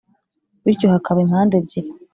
bityo hakaba impande ebyiri